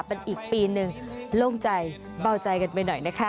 เป็นอีกปีหนึ่งโล่งใจเบาใจกันไปหน่อยนะคะ